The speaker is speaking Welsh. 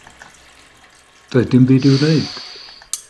Doedd dim byd i'w wneud.